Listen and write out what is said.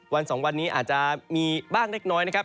๒วันนี้อาจจะมีบ้างเล็กน้อยนะครับ